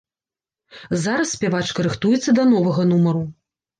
Зараз спявачка рыхтуецца да новага нумару.